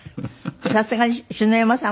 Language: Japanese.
さすがに篠山さんも。